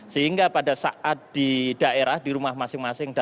sehingga pada saat di daerah di rumah masing masing